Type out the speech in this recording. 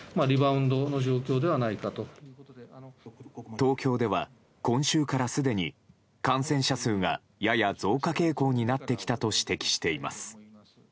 東京では今週からすでに感染者数がやや増加傾向になってきたと指摘しています。